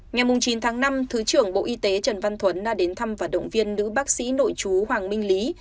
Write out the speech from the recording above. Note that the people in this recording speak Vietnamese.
ngày chín tháng năm thứ trưởng bộ y tế trần văn thuấn đã đến thăm và động viên nữ bác sĩ nội chú hoàng minh lý